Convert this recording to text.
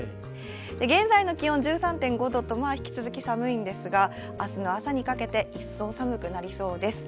現在の気温１３．５度と引き続き寒いんですが明日の朝にかけて、一層寒くなりそうです。